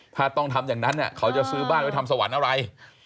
ถ้าต้องทำอย่างนั้นเขาจะซื้อบ้านไว้ทำสวรรค์อะไร